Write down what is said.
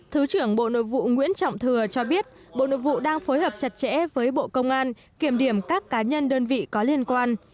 thứ trưởng bộ nội vụ nguyễn trọng thừa cho biết bộ nội vụ đang phối hợp chặt chẽ với bộ công an kiểm điểm các cá nhân đơn vị có liên quan